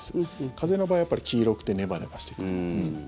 風邪の場合、やっぱり黄色くてネバネバしてくる。